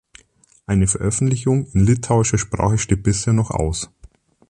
Eine Veröffentlichung in litauischer Sprache steht bisher noch aus.